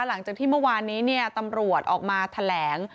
หลังจากที่เมื่อวานนี้ตำรวจออกมาแถลง